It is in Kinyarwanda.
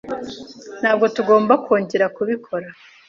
Ntabwo tugomba kongera kubikora.